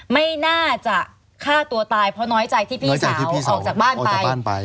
ไม่น่าจะฆ่าตัวตายเพราะน้อยใจที่พี่สาวออกจากบ้านไป